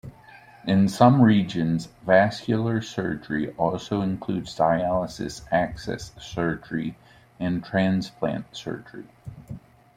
In some regions, vascular surgery also includes dialysis access surgery and transplant surgery.